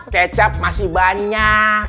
kecap masih banyak